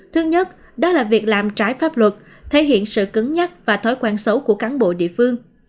thứ nhất đó là việc làm trái pháp luật thể hiện sự cứng nhắc và thói quen xấu của cán bộ địa phương